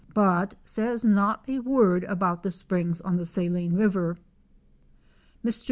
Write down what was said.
but says not a word about the springs on the Saline river. Mr.